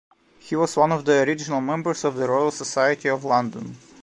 He was one of the original members of the Royal Society of London.